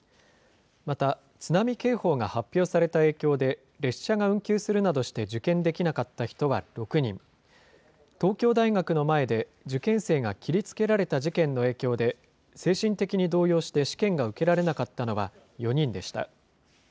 また、津波警報が発表された影響で、列車が運休するなどして受験できなかった人は６人、東京大学の前で受験生が切りつけられた事件の影響で、精神的に動揺して試験が受けられなかったのは４人でした。